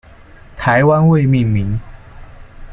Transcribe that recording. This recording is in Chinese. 台湾未命名。